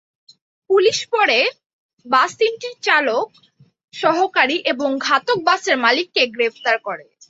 Police পরে bus তিনটির চালক, সহকারী এবং ঘাতক-বাসের মালিককে গ্রেপ্তার করে।